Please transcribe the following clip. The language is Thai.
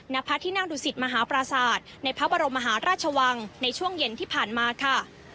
ณพระที่นั่งดุสิตมหาปราศาสตร์ในพระบรมมหาราชวังในช่วงเย็นที่ผ่านมาค่ะ